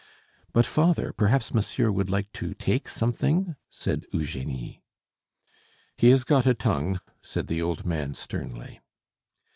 "But, father, perhaps monsieur would like to take something," said Eugenie. "He has got a tongue," said the old man sternly.